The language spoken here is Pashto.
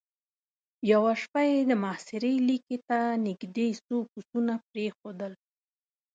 يوه شپه يې د محاصرې ليکې ته نېزدې څو پسونه پرېښودل.